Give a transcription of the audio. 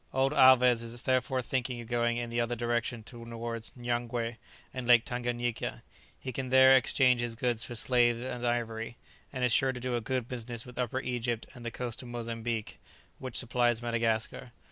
Old Alvez is therefore thinking of going in the other direction towards Nyangwe and Lake Tanganyika; he can there exchange his goods for slaves and ivory, and is sure to do a good business with Upper Egypt and the coast of Mozambique, which supplies Madagascar.